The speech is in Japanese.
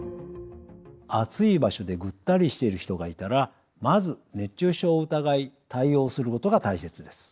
暑い場所でぐったりしている人がいたらまず熱中症を疑い対応することが大切です。